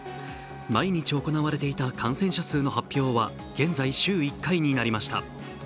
毎日行われていた感染者数の発表は現在、週１回になりました。